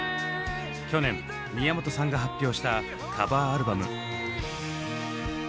去年宮本さんが発表したカバーアルバム。